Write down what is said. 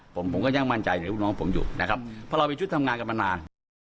ผมผมก็ยังมั่นใจในลูกน้องผมอยู่นะครับเพราะเราเป็นชุดทำงานกันมานาน